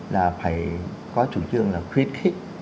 là phải có chủ trương là khuyến khích